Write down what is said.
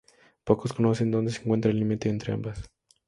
Pocos conocen dónde se encuentra el límite entre ambas.